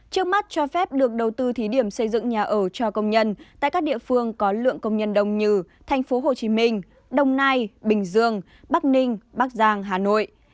trước mắt cho phép được đầu tư thí điểm xây dựng nhà ở cho công nhân tại các địa phương có lượng công nhân đông như thành phố hồ chí minh đồng nai bình dương bắc ninh bắc giang hà nội